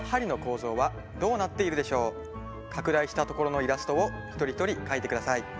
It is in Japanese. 拡大したところのイラストを一人一人描いてください。